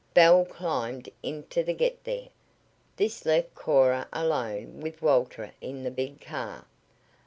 Belle climbed into the Get There. This left Cora alone with Walter in the big car.